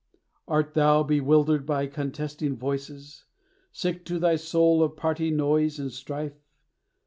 "Art thou bewildered by contesting voices, Sick to thy soul of party noise and strife?